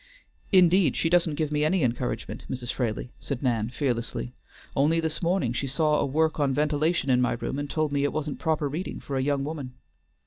"Indeed she doesn't give me any encouragement, Mrs. Fraley," said Nan, fearlessly. "Only this morning she saw a work on ventilation in my room and told me it wasn't proper reading for a young woman."